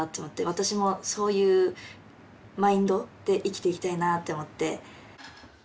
私もそういうマインドで生きていきたいなって思って。